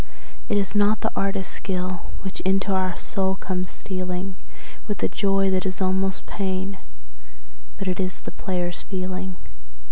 It is not the artist's skill which into our soul comes stealing With a joy that is almost pain, but it is the player's feeling.